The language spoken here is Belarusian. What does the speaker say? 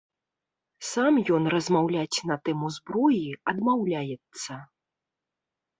Сам ён размаўляць на тэму зброі адмаўляецца.